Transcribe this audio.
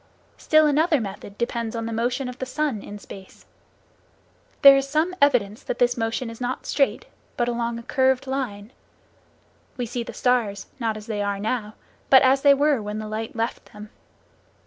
Still another method depends on the motion of the sun in space. There is some evidence that this motion is not straight, but along a curved line. We see the stars, not as they are now, but as they were when the light left them.